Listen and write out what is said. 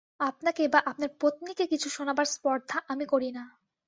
আপনাকে বা আপনার পত্নীকে কিছু শোনাবার স্পর্ধা আমি করি না।